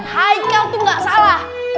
haikal tuh gak salah